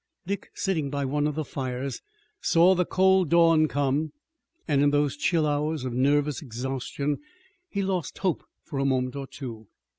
Dick, sitting by one of the fires, saw the cold dawn come, and in those chill hours of nervous exhaustion he lost hope for a moment or two.